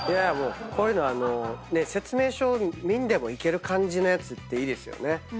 こういうのは説明書見んでもいける感じのやついいですよね。